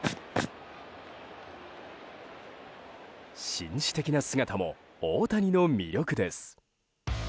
紳士的な姿も大谷の魅力です。